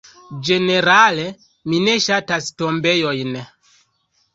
Ĝenerale mi ne ŝatas tombejojn.